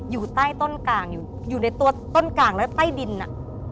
อยู่ใต้ต้นกลางอยู่อยู่ในตัวต้นกลางแล้วใต้ดินอ่ะ